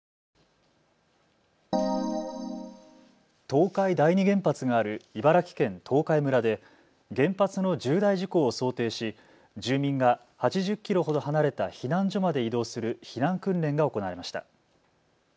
東海第二原発がある茨城県東海村で原発の重大事故を想定し住民が８０キロほど離れた避難所まで移動する避難訓練が行われました。